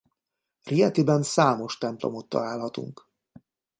Rietiben számos templomot találhatunk.